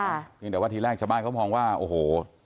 อย่างเดี๋ยวตะวันที่แรกชาวบ้านเขามองว่าโอ้โห